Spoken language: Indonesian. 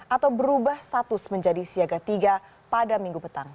atau berubah status menjadi siaga tiga pada minggu petang